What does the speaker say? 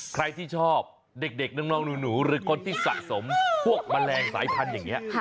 ใครที่ชอบเด็กน้องหนูหรือคนที่สะสมพวกแมลงสายพันธุ์อย่างนี้